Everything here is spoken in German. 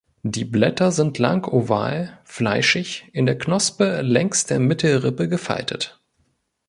Die Blätter sind lang-oval, fleischig, in der Knospe längs der Mittelrippe gefaltet.